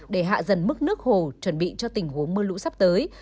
để hạ dần mức nước hồ chuẩn bị cho tình huống mưa lũ sắp tới